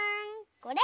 これ！